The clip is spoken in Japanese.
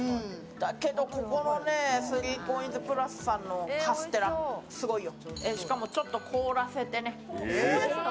だけどここのね、３ＣＯＩＮＳ＋ｐｌｕｓのカステラ、すごいよ。